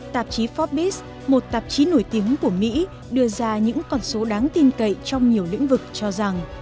tạp chí forbis một tạp chí nổi tiếng của mỹ đưa ra những con số đáng tin cậy trong nhiều lĩnh vực cho rằng